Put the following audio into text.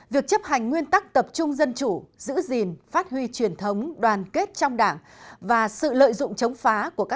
việc chấp hành nguyên tắc tập trung dân chủ giữ gìn phát huy truyền thống đoàn kết trong đảng và sự lợi dụng chống phá của các